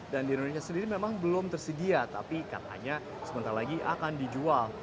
dan di indonesia sendiri memang belum tersedia tapi katanya sebentar lagi akan dijual